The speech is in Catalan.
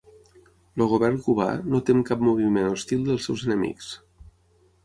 El govern cubà no tem cap moviment hostil dels seus enemics